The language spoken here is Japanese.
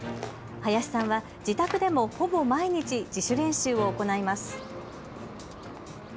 林さんは自宅でもほぼ毎日自主練習を行います。